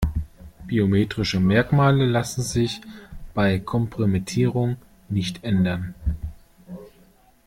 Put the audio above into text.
Biometrische Merkmale lassen sich bei Kompromittierung nicht ändern.